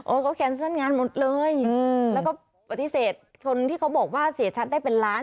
ก็แคนเซิลงานหมดเลยอืมแล้วก็ปฏิเสธคนที่เขาบอกว่าเสียชัดได้เป็นล้าน